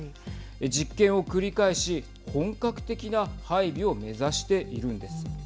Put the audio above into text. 実験を繰り返し本格的な配備を目指しているんです。